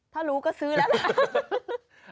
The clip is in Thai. ถ้ารู้ก็ซื้อแล้วล่ะ